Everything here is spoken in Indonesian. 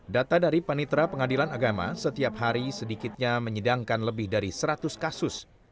data dari panitra pengadilan agama setiap hari sedikitnya menyidangkan lebih dari seratus kasus